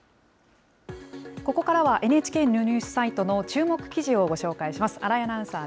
ここからはＮＨＫのニュースサイトの注目記事をご紹介します。